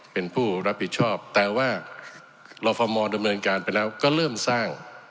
เป็นผู้รับผิดชอบแต่ว่ารฟมดำเนินการไปแล้วก็เริ่มสร้าง